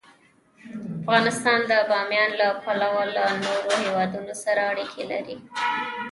افغانستان د بامیان له پلوه له نورو هېوادونو سره اړیکې لري.